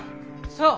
そう。